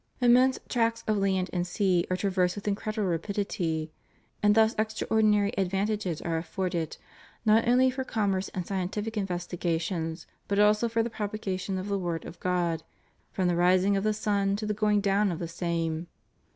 Immense tracts of land and sea are traversed with incredible rapidity, and thus extraordinary advantages are afforded not only for commerce and scientific investigations but also for the propagation of the word of God from the rising of the sun to the going down of the same.